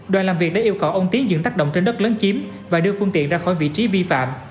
đoàn làm việc đã yêu cầu ông tiến dựng tác động trên đất lớn chiếm và đưa phương tiện ra khỏi vị trí vi phạm